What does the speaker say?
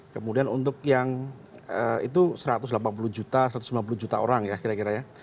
kemudian untuk yang itu satu ratus delapan puluh juta satu ratus sembilan puluh juta orang ya kira kira ya